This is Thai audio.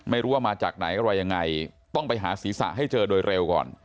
มาจากไหนอะไรยังไงต้องไปหาศีรษะให้เจอโดยเร็วก่อน